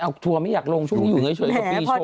เอาทัวร์ไม่อยากลงช่วงอยู่ไหนช่วงอีกปีช่วง